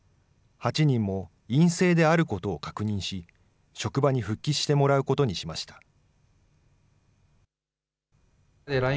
８人も陰性であることを確認し、職場に復帰してもらうことにしました。